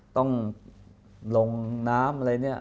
ต้องลงน้ำอะไรเนี่ย